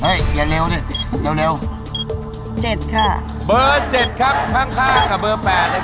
เอ๊ยอย่าเร็วหนิ